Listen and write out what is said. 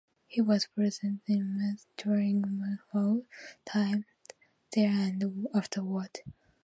He was present in Madinah during Muhammad's time there and afterwards.